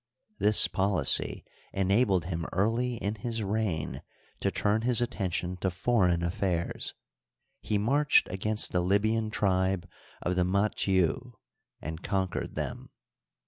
This policy enabled him early in his reign to turn his attention to foreign af fairs. He marched against the Libyan tribe of the Mat jiu and conquered them.